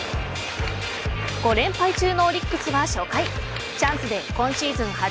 ５連敗中のオリックスは初回チャンスで今シーズン